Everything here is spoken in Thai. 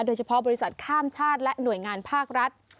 โดยเฉพาะบริษัทข้ามชาติและหน่วยงานภาครัฐ